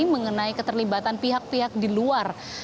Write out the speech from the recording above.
mengenai keterlibatan pihak pihak di luar